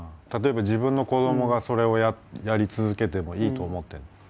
例えば自分の子どもがそれをやり続けてもいいと思ってるの？